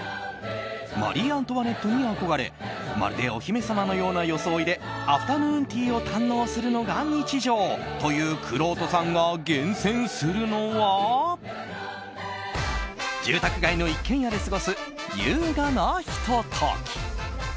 マリー・アントワネットに憧れまるで、お姫様のような装いでアフタヌーンティーを堪能するのが日常というくろうとさんが厳選するのは住宅街の一軒家で過ごす優雅なひと時。